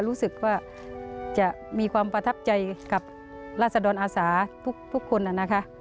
รู้สึกว่าจะมีความประทับใจกับราศดรอาสาทุกคนนะคะ